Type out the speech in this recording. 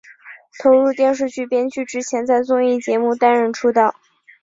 投入电视剧编剧之前在综艺节目担任出道。